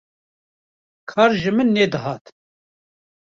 kar ji min nedihat